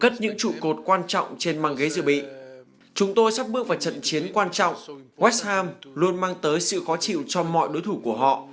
chúng tôi sắp bước vào trận chiến quan trọng westham luôn mang tới sự khó chịu cho mọi đối thủ của họ